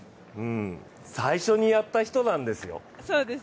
最初にやった人なんですよ。